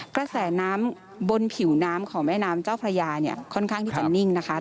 กระแสน้ำบนผิวน้ำของแม่น้ำเจ้าพระยาเนี่ยค่อนข้างที่จะนิ่งนะคะ